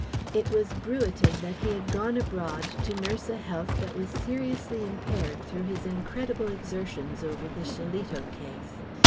It was bruited that he had gone abroad to nurse a health that was seriously impaired through his incredible exertions over the Shillito case.